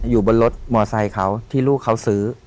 อยู่บนรถมอไซค์เขาที่ลูกเขาซื้อ